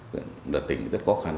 cũng là tỉnh rất khó khăn